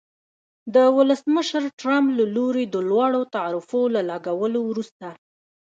د ولسمشر ټرمپ له لوري د لوړو تعرفو له لګولو وروسته